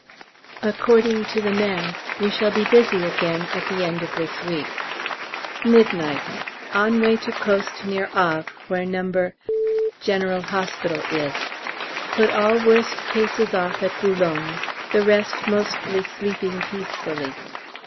According to the men, we shall be busy again at the end of this week. Midnight. On way to coast near Havre where No. G.H. is. Put all worst cases off at B., the rest mostly sleeping peacefully.